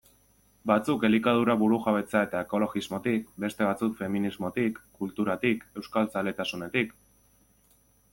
Batzuk elikadura burujabetza eta ekologismotik, beste batzuk feminismotik, kulturatik, euskaltzaletasunetik...